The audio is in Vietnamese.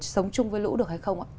sống chung với lũ được hay không ạ